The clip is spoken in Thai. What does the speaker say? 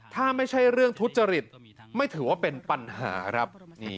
ถ้าไม่ใช่เรื่องทุจริตไม่ถือว่าเป็นปัญหาครับ